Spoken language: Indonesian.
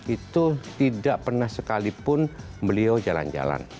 itu tidak pernah sekalipun beliau jalan jalan